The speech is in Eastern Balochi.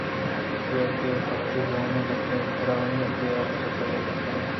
چیا کہ اے بازجوٛانیں گپّے اَت:گُڑا آہاں وتی ارس پہک کُت اَنت